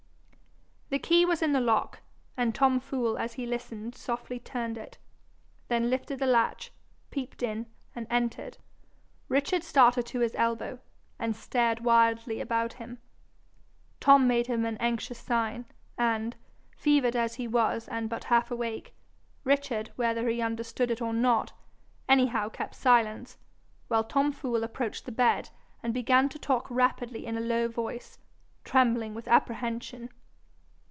The key was in the lock, and Tom Fool as he listened softly turned it, then lifted the latch, peeped in, and entered. Richard started to his elbow, and stared wildly about him. Tom made him an anxious sign, and, fevered as he was and but half awake, Richard, whether he understood it or not, anyhow kept silence, while Tom Fool approached the bed, and began to talk rapidly in a low voice, trembling with apprehension.